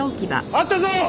あったぞ！